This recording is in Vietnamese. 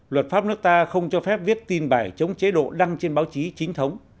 luật pháp nước ta không cho phép viết tin bài chống chế độ đăng trên báo chí chính thống